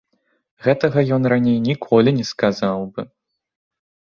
Гэтага ён ёй раней ніколі не сказаў бы.